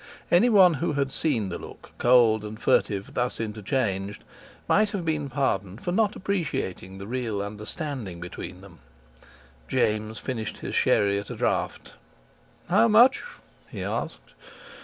Anyone who had seen the look, cold and furtive, thus interchanged, might have been pardoned for not appreciating the real understanding between them. James finished his sherry at a draught. "How much?" he asked.